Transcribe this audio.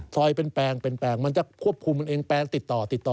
เป็นแปลงเป็นแปลงมันจะควบคุมมันเองแปลงติดต่อติดต่อ